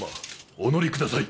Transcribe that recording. お乗りください。